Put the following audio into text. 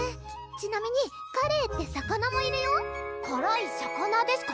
ちなみにカレイって魚もいるよからい魚ですか？